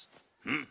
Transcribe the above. ん。